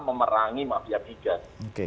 memerangi mafia migas